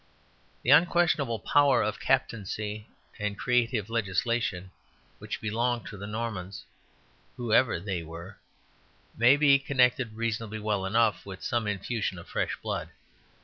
The unquestionable power of captaincy and creative legislation which belonged to the Normans, whoever they were, may be connected reasonably enough with some infusion of fresh blood.